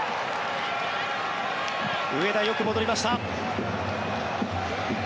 上田、よく戻りました。